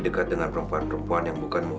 dekat dengan perempuan perempuan yang bukan